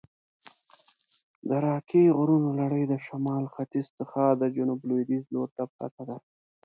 د راکي غرونو لړي د شمال ختیځ څخه د جنوب لویدیځ لورته پرته ده.